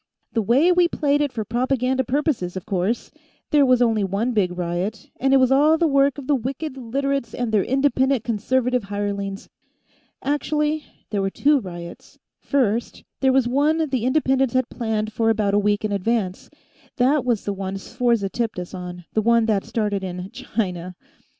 "The way we played it for propaganda purposes, of course, there was only one big riot, and it was all the work of the wicked Literates and their Independent Conservative hirelings. Actually, there were two riots. First, there was one the Independents had planned for about a week in advance; that was the one Sforza tipped us on, the one that started in China.